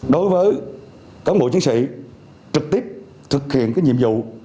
đối với công an thành phố trực tiếp thực hiện nhiệm vụ